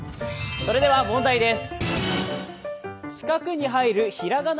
それでは問題です。